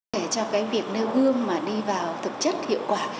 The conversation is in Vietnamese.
để cho cái việc nêu gương mà đi vào thực chất hiệu quả